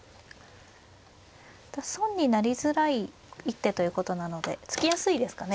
損になりづらい一手ということなので突きやすいですかね。